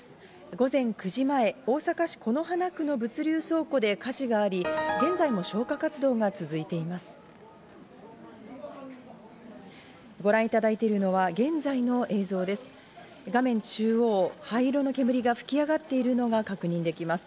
午前９時前、大阪市此花区の物流倉庫で火事があり、現在も消火活動が続いています。